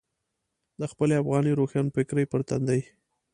د خپلې افغاني روښانفکرۍ پر تندي.